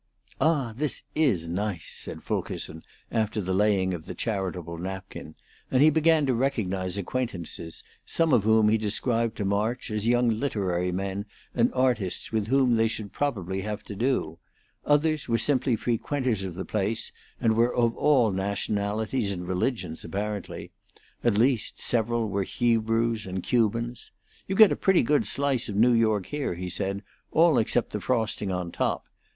"Ah, this is nice!" said Fulkerson, after the laying of the charitable napkin, and he began to recognize acquaintances, some of whom he described to March as young literary men and artists with whom they should probably have to do; others were simply frequenters of the place, and were of all nationalities and religions apparently at least, several were Hebrews and Cubans. "You get a pretty good slice of New York here," he said, "all except the frosting on top.